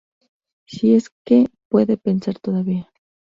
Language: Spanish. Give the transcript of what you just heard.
Si es que puede pensar todavía.